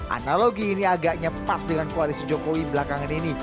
analogi ini agaknya pas dengan koalisi jokowi belakangan ini